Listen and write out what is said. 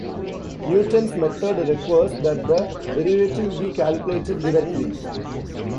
Newton's method requires that the derivative be calculated directly.